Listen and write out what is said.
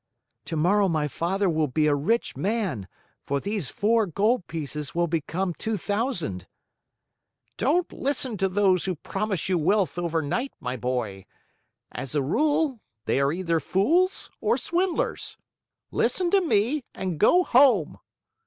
"Tomorrow my father will be a rich man, for these four gold pieces will become two thousand." "Don't listen to those who promise you wealth overnight, my boy. As a rule they are either fools or swindlers! Listen to me and go home."